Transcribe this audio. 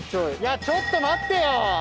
いやちょっと待ってよ！